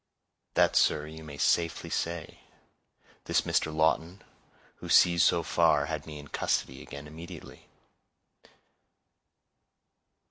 "That, sir, you may safely say; this Mr. Lawton, who sees so far, had me in custody again immediately."